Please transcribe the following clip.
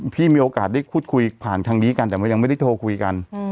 มีโอกาสได้พูดคุยผ่านทางนี้กันแต่ว่ายังไม่ได้โทรคุยกัน